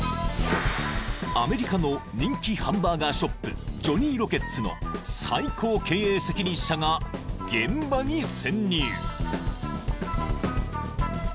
［アメリカの人気ハンバーガーショップジョニーロケッツの最高経営責任者が現場に潜入］